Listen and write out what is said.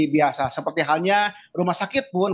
biasa seperti halnya rumah sakit pun